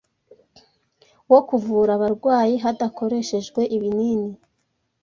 wo kuvura abarwayi hadakoreshejwe ibinini